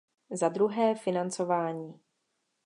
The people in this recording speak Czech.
Zadruhé financování.